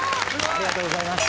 ありがとうございます。